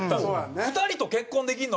「２人と結婚できるの？」